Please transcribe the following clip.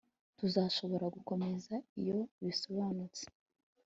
Tuzashobora gukomeza iyo bisobanutse